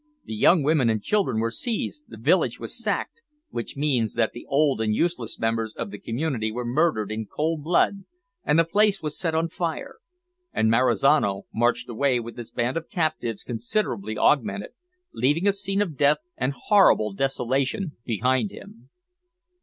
The young women and children were seized; the village was sacked which means that the old and useless members of the community were murdered in cold blood, and the place was set on fire and Marizano marched away with his band of captives considerably augmented, leaving a scene of death and horrible desolation behind him.